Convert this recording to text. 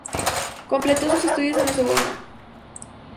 Completó sus estudios en La Sorbona y en la Universidad de Roma "La Sapienza".